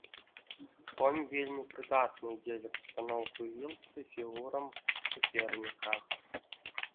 Конь вельмі прыдатны дзеля пастаноўкі вілцы фігурам суперніка.